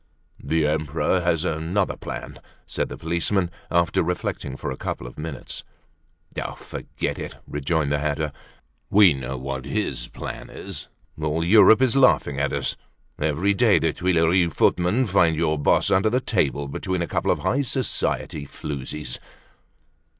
"The Emperor has another plan," said the policeman, after reflecting for a couple of minutes. "Oh, forget it," rejoined the hatter. "We know what his plan is. All Europe is laughing at us. Every day the Tuileries footmen find your boss under the table between a couple of high society floozies."